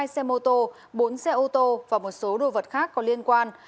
một mươi hai xe mô tô bốn xe ô tô và một số đồ vật khác có liên quan